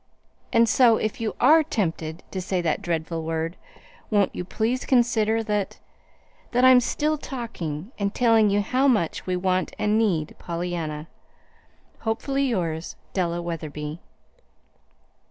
And so, if you ARE tempted to say that dreadful word, won't you please consider that that I'm still talking, and telling you how much we want and need Pollyanna. "Hopefully yours, "DELLA WETHERBY."